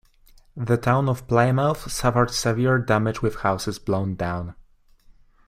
The town of Plymouth suffered severe damage with houses blown down.